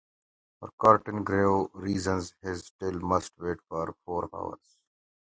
For certain grave reasons his tale must wait for four hours.